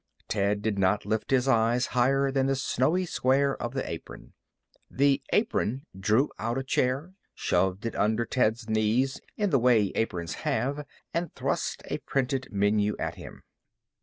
Ted did not lift his eyes higher than the snowy square of the apron. The Apron drew out a chair, shoved it under Ted's knees in the way Aprons have, and thrust a printed menu at him.